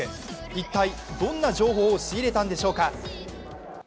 一体どんな情報を仕入れたんでしょうか。